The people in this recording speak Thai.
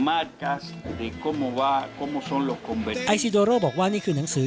อายศีโดโรบอกว่านี่คือนังสือ